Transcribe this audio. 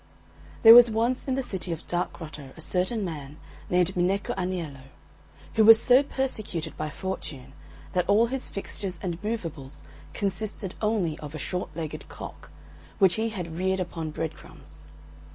There was once in the city of Dark Grotto a certain man named Minecco Aniello, who was so persecuted by fortune that all his fixtures and moveables consisted only of a short legged cock, which he had reared upon bread crumbs.